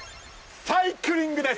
サイクリングです！